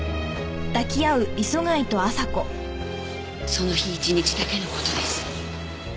その日一日だけの事です。